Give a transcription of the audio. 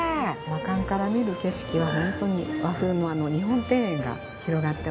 和館から見る景色はホントに和風の日本庭園が広がっておりますね。